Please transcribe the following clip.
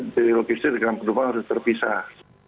jadi logistik dengan penumpang harus terpisah